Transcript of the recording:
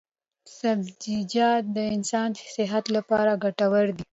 سبزیجات د انسان صحت لپاره ګټور دي.